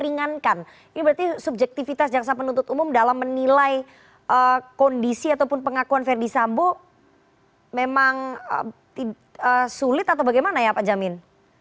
ini berarti subjektivitas jaksa penuntut umum dalam menilai kondisi ataupun pengakuan verdi sambo memang sulit atau bagaimana ya pak jamin